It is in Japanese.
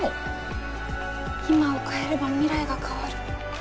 今を変えれば未来が変わる。